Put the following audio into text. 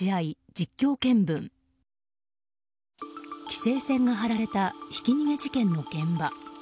規制線が張られたひき逃げ事件の現場。